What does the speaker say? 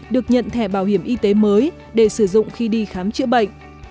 được nhận thẻ bảo hiểm y tế mới để sử dụng khi đi khám chữa bệnh